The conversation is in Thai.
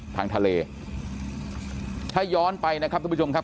ทางทะเลถ้าย้อนไปนะครับทุกผู้ชมครับ